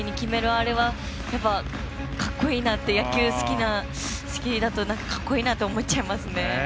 あれは、かっこいいなって野球好きだと、かっこいいなって思っちゃいますね。